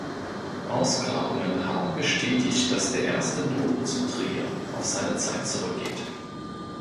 Ausgrabungen haben bestätigt, dass der erste Dom zu Trier auf seine Zeit zurückgeht.